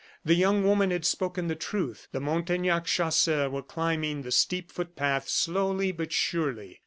The young woman had spoken the truth. The Montaignac chasseurs were climbing the steep foot path slowly, but surely.